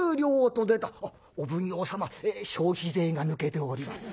「あっお奉行様消費税が抜けております」。